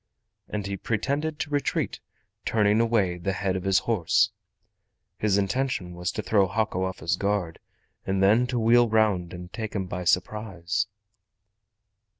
And he pretended to retreat, turning away the head of his horse. His intention was to throw Hako off his guard and then to wheel round and take him by surprise.